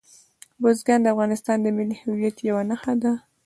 بزګان د افغانستان د ملي هویت یوه نښه ده.